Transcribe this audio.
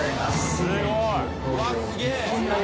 すごい